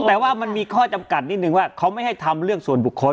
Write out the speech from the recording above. แต่ว่ามันมีข้อจำกัดนิดนึงว่าเขาไม่ให้ทำเรื่องส่วนบุคคล